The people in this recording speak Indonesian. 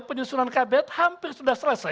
penyusunan kabinet hampir sudah selesai